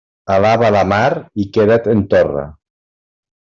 Alaba la mar i queda't en torre.